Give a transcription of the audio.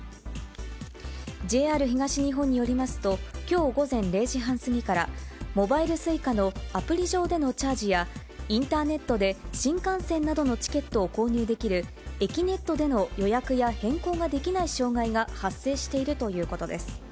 ＪＲ東日本によりますと、きょう午前０時半過ぎから、モバイルＳｕｉｃａのアプリ上でのチャージや、インターネットで新幹線などのチケットを購入できるえきねっとでの予約や変更ができない障害が発生しているということです。